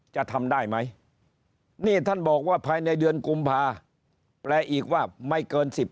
จะทำได้ไหมนี่ท่านบอกว่าภายในเดือนกุมภาแปลอีกว่าไม่เกิน๑๐